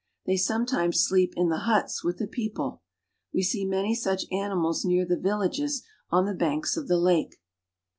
They sometimes sleep in the huts with ■the people. We see many such animals near the villages ■ m the banks of the lake!